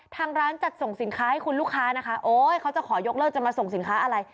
ทางร้านจัดส่งสินค้าให้คุณลูกค้านะคะโอ๊ยเขาจะขอยกเลิกจะมาส่งสินค้าอะไร